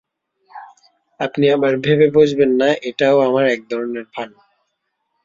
আপনি আবার ভেবে বসবেন না, এটাও আমার একধরনের ভান।